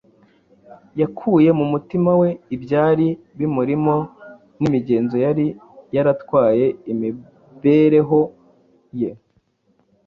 Yakuye mu mutima we ibyari bimurimo n’imigenzo yari yaratwaye imibereho ye